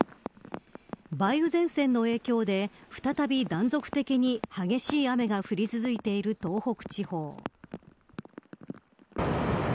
今日も、東北や北陸地方では梅雨前線の影響で再び断続的に激しい雨が降り続いている東北地方。